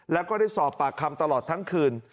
แล้วก็ได้สอบปากคำตลอดทั้งคืน